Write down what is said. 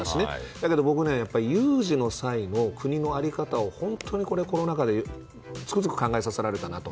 だけど、僕は有事の際の国の在り方を、本当にコロナ禍でつくづく考えさせられたなと。